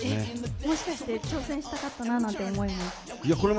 もしかして挑戦したかったなという思いも？